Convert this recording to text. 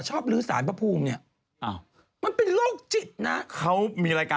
แต่ชอบลือสารพระภูมิเนี่ย